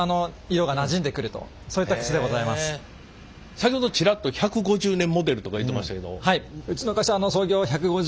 先ほどチラッと１５０年モデルとか言ってましたけど。